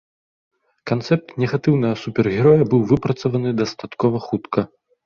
Канцэпт негатыўнага супергероя быў выпрацаваны дастаткова хутка.